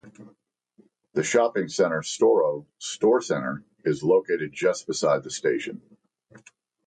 The shopping center Storo Storsenter is located just beside the station.